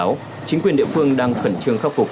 trong lúc này chính quyền địa phương đang khẩn trương khắc phục